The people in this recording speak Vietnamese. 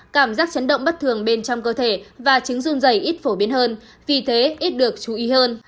cảm giác chấn động bất thường bên trong cơ thể và chứng run dày ít phổ biến hơn vì thế ít được chú ý hơn